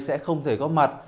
sẽ không thể có mặt